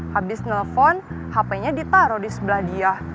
habis nelfon hpnya ditaro di sebelah dia